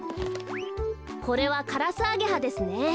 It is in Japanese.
これはカラスアゲハですね。